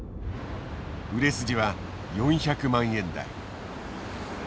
売れ筋は４００万円台。